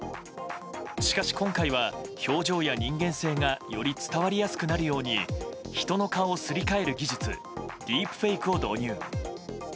しかし、今回は表情や人間性がより伝わりやすくなるように人の顔をすり替える技術ディープフェイクを導入。